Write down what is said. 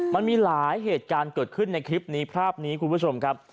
มันมีหลายเหตุการณ์เกิดขึ้นในคลิปนี้ภาพนี้คุณผู้ชมครับ